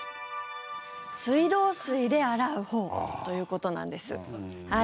水道水で洗うほうということなんです。